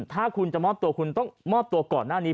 ถ้าคุณจะมอบตัวคุณต้องมอบตัวก่อนหน้านี้